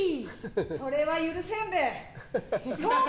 それは許せんべい。